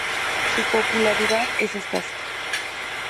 Su popularidad es escasa.